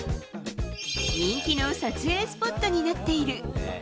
人気の撮影スポットになっている。